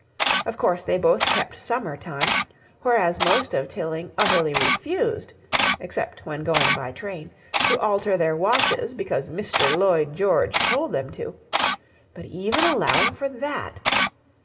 Of course they both kept summer time, whereas most of Tilling utterly refused (except when going by train) to alter their watches because Mr. Lloyd George told them to; but even allowing for that